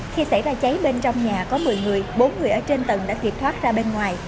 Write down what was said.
khi xảy ra cháy bên trong nhà có một mươi người bốn người ở trên tầng đã kịp thoát ra bên ngoài